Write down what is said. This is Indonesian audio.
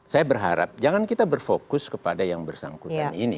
saya berharap jangan kita berfokus kepada yang bersangkutan ini